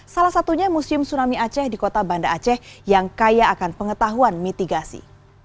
salah satunya museum tsunami aceh di kota banda aceh yang kaya akan pengetahuan mitigasi